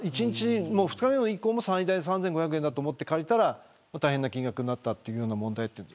２日目以降も最大３５００円だと思って借りたら大変な金額になったという問題。